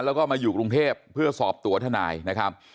แล้วก็มาอยู่กรุงเทพเพื่อสอบตัวทนายนะครับ